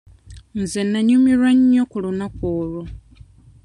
Nze nnanyumirwa nnyo ku lunaku olwo.